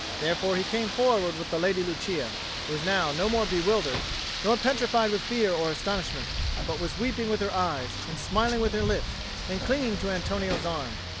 Therefore he came forward with the Lady Lucia, who was now no more bewildered, nor petrified with fear or astonishment, but was weeping with her eyes and smiling with her lips and clinging to Antonio's arm.